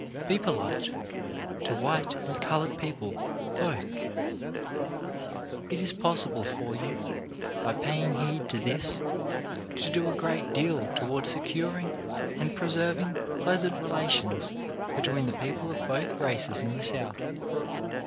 Be polite; to white and coloured people, both. LAST WORDS 285 It is possible for you, by paying heed to this, to do a great deal toward securing and preserving pleasant relations between the people of both races in the South.